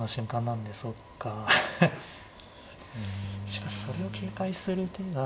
しかしそれを警戒する手が。